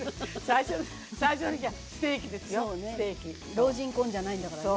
老人婚じゃないんだからね。